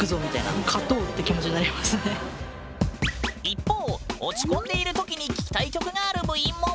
一方落ち込んでいるときに聞きたい曲がある部員も。